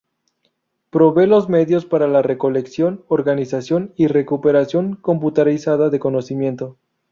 Provee los medios para la recolección, organización y recuperación computarizada de conocimiento.